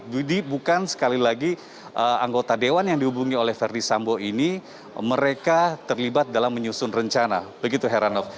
jadi bukan sekali lagi anggota dewan yang dihubungi oleh ferdis sambo ini mereka terlibat dalam menyusun rencana begitu heranov